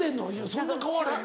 そんな変われへん。